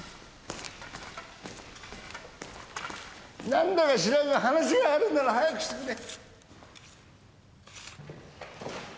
なんだか知らんが話があるんなら早くしてくれ。